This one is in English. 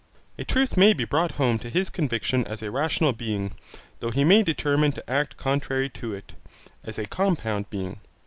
A truth may be brought home to his conviction as a rational being, though he may determine to act contrary to it, as a compound being.